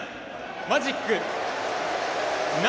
マジック７。